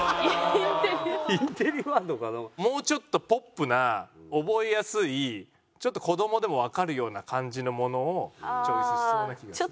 もうちょっとポップな覚えやすいちょっと子どもでもわかるような感じのものをチョイスしそうな気がする。